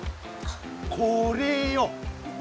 これよ。